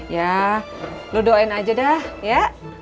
ya lu doain aja dah ya